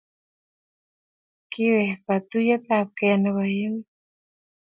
Kiwek katuyet ab kee nebo emet